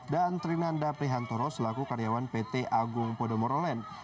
dan trinanda prihantoro selaku karyawan pt agung podomoro lain